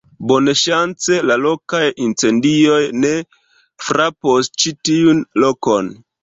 bonŝance la lokaj incendioj ne frapos ĉi tiun lokon.